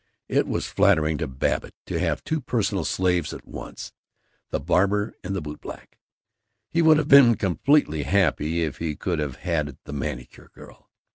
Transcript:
It was flattering to Babbitt to have two personal slaves at once the barber and the bootblack. He would have been completely happy if he could also have had the manicure girl.